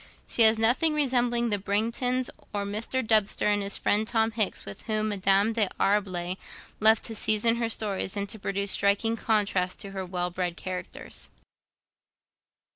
She has nothing resembling the Brangtons, or Mr. Dubster and his friend Tom Hicks, with whom Madame D'Arblay loved to season her stories, and to produce striking contrasts to her well bred characters.